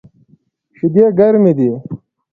شیدې ګرمی دی